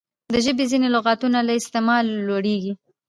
د ژبي ځیني لغاتونه له استعماله لوړیږي.